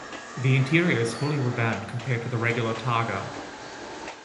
The interior is fully revamped compared to the regular Taga.